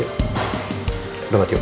cepet banget yuk